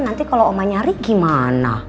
nanti kalau oma nyari gimana